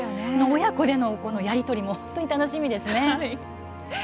親子でのやり取りも本当に楽しみですね。